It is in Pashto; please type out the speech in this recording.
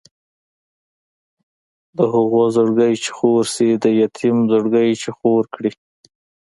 د هغو زړګی چې خور شي د یتیم زړګی چې خور کړي.